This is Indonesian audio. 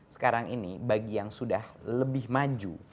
sekarang ini bagi yang sudah lebih maju